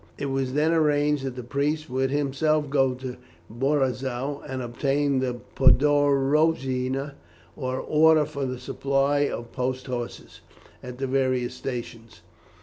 It was then arranged that the priest would himself go to Borizow and obtain the podorojna or order for the supply of post horses at the various stations.